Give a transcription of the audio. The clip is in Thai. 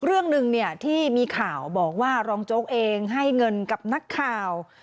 เรื่องหนึ่งเนี่ยที่มีข่าวบอกว่ารองโจ๊กเองให้เงินกับนักข่าว